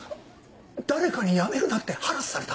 誰かに「辞めるな」ってハラスされた？